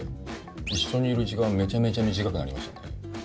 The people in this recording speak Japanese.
一緒にいる時間めちゃめちゃ短くなりましたね。